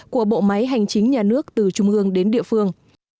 của bộ máy hành chính nhà nước từ trung ương đến địa phương